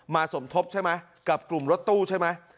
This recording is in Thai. สมทบใช่ไหมกับกลุ่มรถตู้ใช่ไหม